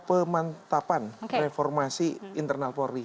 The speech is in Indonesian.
pemantapan reformasi internal polri